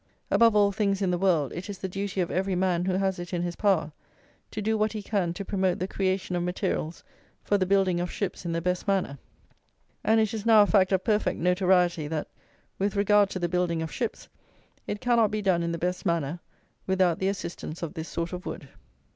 Above all things in the world, it is the duty of every man, who has it in his power, to do what he can to promote the creation of materials for the building of ships in the best manner; and it is now a fact of perfect notoriety, that, with regard to the building of ships, it cannot be done in the best manner without the assistance of this sort of wood.